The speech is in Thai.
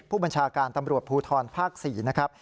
ผู้บัญชาการตำรวจภูทรภาค๔นะครับ